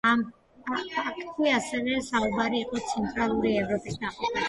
ამ პაქტში ასევე საუბარი იყო ცენტრალური ევროპის დაყოფაზე.